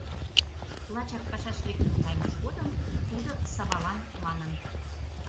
Лачак пашаш лектын кайымыж годым тудо Савалан манын: